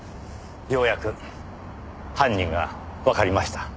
ようやく犯人がわかりました。